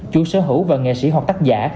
chú sở hữu và nghệ sĩ hoặc tác giả